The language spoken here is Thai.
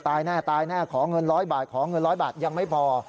แน่ตายแน่ขอเงินร้อยบาทขอเงินร้อยบาทยังไม่พอ